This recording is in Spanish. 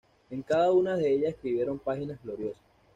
En cada una de ellas escribieron páginas gloriosas.